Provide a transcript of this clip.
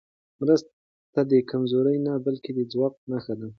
مرسته د کمزورۍ نه، بلکې د ځواک نښه ده.